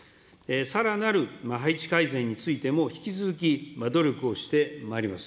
さらなる配置改善についても、引き続き努力をしてまいります。